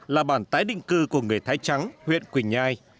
là bản tái định cư của người thái trắng huyện quỳnh nhai